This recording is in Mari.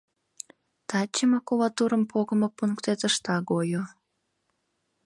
Таче макулатурым погымо пунктет ышта гойо.